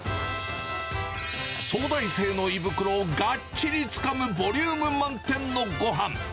早大生の胃袋をがっちりつかむ、ボリューム満点のごはん。